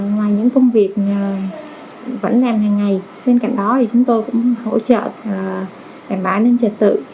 ngoài những công việc vẫn làm hàng ngày bên cạnh đó thì chúng tôi cũng hỗ trợ đảm bảo an ninh trật tự